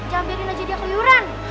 jangan biarin aja dia keluyuran